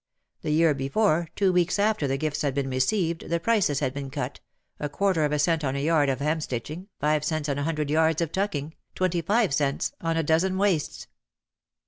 The year before, two weeks after the gifts had been received, the prices had been cut, a quarter of a cent on a yard of hemstitching, five cents on a hundred yards of tucking, twenty five cents on a dozen waists.